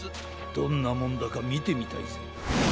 どんなもんだかみてみたいぜ。